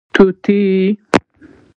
🦜 طوطي